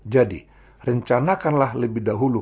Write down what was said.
jadi rencanakanlah lebih dahulu